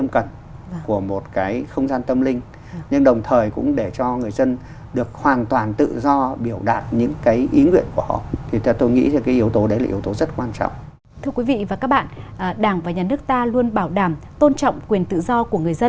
cả về mục đích chức năng và cấu trúc